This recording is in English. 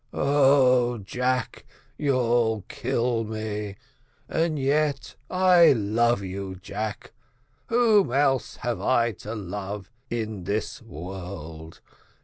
Oh, Jack, you'll kill me! and yet I love you, Jack whom else have I to love in this world?